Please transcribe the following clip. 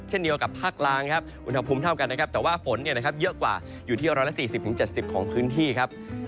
เช่นเดียวกับภาคล้างครับอุณหภูมิเท่ากันนะครับแต่ว่าฝนเยอะกว่าอยู่ที่๑๔๐๗๐ของพื้นที่ครับ